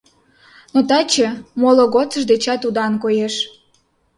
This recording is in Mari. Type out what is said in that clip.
Но таче моло годсыж дечат удан коеш.